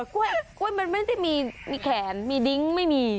กล้วยมันไม่ได้มีแขนมีดิ้งไม่มี